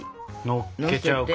のっけちゃうか。